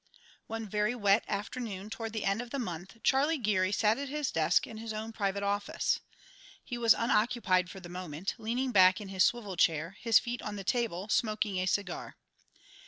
One very wet afternoon toward the end of the month Charlie Geary sat at his desk in his own private office. He was unoccupied for the moment, leaning back in his swivel chair, his feet on the table, smoking a cigar.